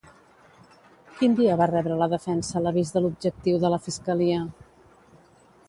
Quin dia va rebre la defensa l'avís de l'objectiu de la fiscalia?